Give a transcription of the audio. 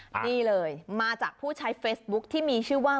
นี่เลยมาจากผู้ใช้เฟซบุ๊คที่มีชื่อว่า